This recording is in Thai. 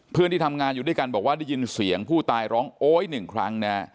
เพื่อนที่ทำงานอยู่ด้วยกันบอกว่าได้ยินเสียงผู้ตายร้องโอ๊ยหนึ่งครั้งนะฮะ